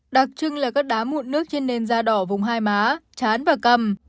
đặc trưng là các đá mụn nước trên nền da đỏ vùng hai má chán và cầm